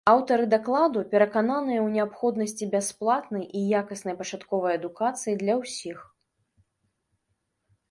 Аўтары дакладу перакананыя ў неабходнасці бясплатнай і якаснай пачатковай адукацыі для ўсіх.